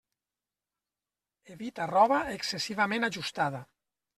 Evita roba excessivament ajustada.